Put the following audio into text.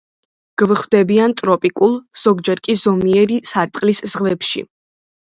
გვხვდებიან ტროპიკულ, ზოგჯერ კი ზომიერი სარტყლის ზღვებში.